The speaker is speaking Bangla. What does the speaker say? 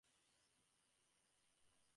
কমলা লইয়া যাইবার জন্য সংকেত করিল।